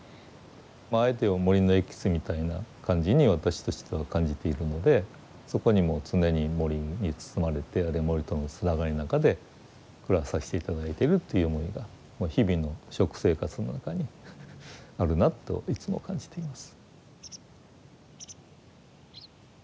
あえて言えば森のエキスみたいな感じに私としては感じているのでそこにもう常に森に包まれてあるいは森とのつながりの中で暮らさせて頂いているっていう思いがもう日々の食生活の中にあるなといつも感じています。